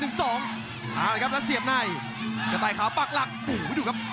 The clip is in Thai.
เอาละครับแล้วเสียบในกระต่ายขาวปักหลักโอ้โหดูครับ